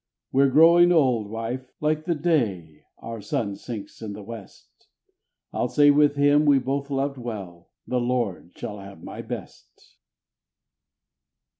We're growing old, wife, like the day our sun sinks in the west, I'll say with him we both loved well, The Lord shall have my best."